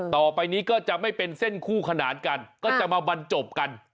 ต่อไปนี้ก็จะไม่เป็นเส้นคู่ขนานกันก็จะมาบรรจบกัน